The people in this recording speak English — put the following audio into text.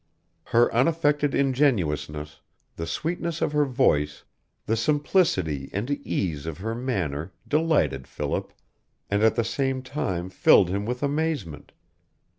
Her unaffected ingenuousness, the sweetness of her voice, the simplicity and ease of her manner delighted Philip, and at the same time filled him with amazement.